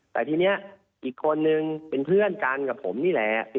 แต่ทีนี้อีกคนนึงเป็นเพื่อนกันกับผมนี่แหละ